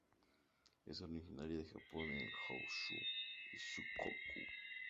Es originaria de Japón en Honshu y Shikoku.